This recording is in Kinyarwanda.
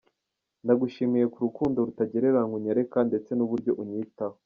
Ndagushimiye ku rukundo rutagereranywa unyereka ndetse n’uburyo unyitaho”.